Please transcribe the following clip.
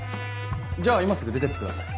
じゃあ今すぐ出てってください。